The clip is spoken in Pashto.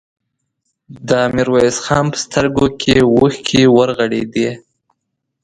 د ميرويس خان په سترګو کې اوښکې ورغړېدې.